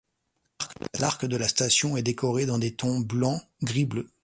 L'arc de la station est décoré dans des tons blancs, gris-bleu.